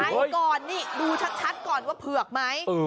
ก่อนนี่ดูชัดก่อนว่าเผือกไหม